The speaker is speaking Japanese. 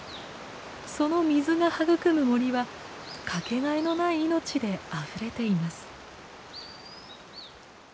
その水が育む森はかけがえのない命であふれています。